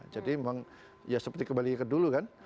jadi memang ya seperti kembali ke dulu kan